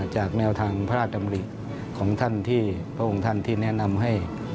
แนวทางพระราชดำริของท่านที่พระองค์ท่านที่แนะนำให้